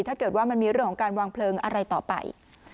ถ้าเกิดว่ามันมีเรื่องของการวางเพลิงอะไรต่อไป